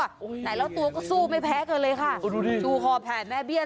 เดี๋ยวแล้วตัวก็สู้ไม่แพ้กันเลยฮะเอาดูดิดูคอแผ่แม่เบี้ย